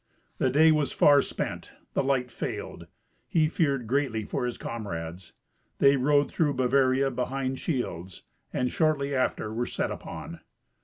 The day was far spent; the light failed. He feared greatly for his comrades. They rode through Bavaria behind shields, and shortly after were set upon.